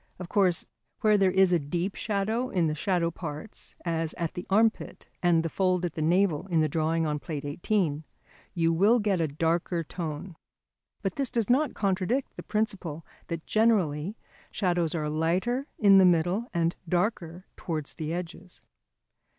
Of course, where there is a deep hollow in the shadow parts, as at the armpit and the fold at the navel in the drawing on page 90 [Transcribers Note: Plate XVIII], you will get a darker tone. But this does not contradict the principle that generally shadows are lighter in the middle and darker towards the edges.